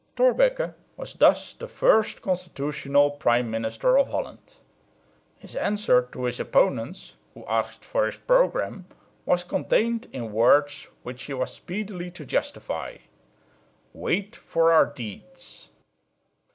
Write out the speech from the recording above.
Thorbecke was thus the first constitutional prime minister of Holland. His answer to his opponents, who asked for his programme, was contained in words which he was speedily to justify: "Wait for our deeds."